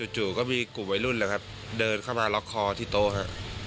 จู่ก็มีกลุ่มไว้รุ่นเดินเข้ามาล็อกคอที่โต๊ะ